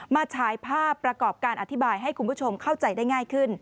ฉายภาพประกอบการอธิบายให้คุณผู้ชมเข้าใจได้ง่ายขึ้น